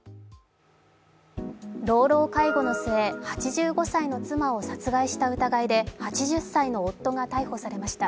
老老介護の末、８５歳の妻を殺害した疑いで８０歳の夫が逮捕されました。